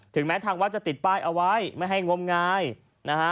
แม้ทางวัดจะติดป้ายเอาไว้ไม่ให้งมงายนะฮะ